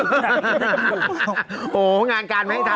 โอ้โหงานการไม่ให้ทำ